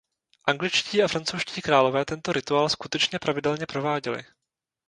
Angličtí a francouzští králové tento rituál skutečně pravidelně prováděli.